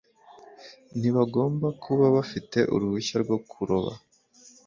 ntibagomba kuba bafite uruhushya rwo kuroba